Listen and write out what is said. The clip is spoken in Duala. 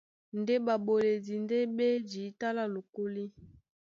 Ndé ɓaɓoledi ndé ɓá e jǐta lá lokólí.